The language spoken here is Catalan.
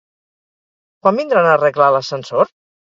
Quan vindran a arreglar l'ascensor?